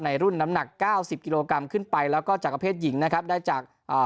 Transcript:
รุ่นน้ำหนักเก้าสิบกิโลกรัมขึ้นไปแล้วก็จักรเพศหญิงนะครับได้จากอ่า